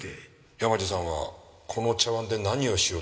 山路さんはこの茶碗で何をしようとしていたんだ？